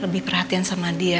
lebih perhatian sama dia